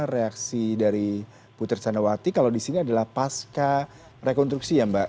reaksi dari putri candrawati kalau di sini adalah pasca rekonstruksi ya mbak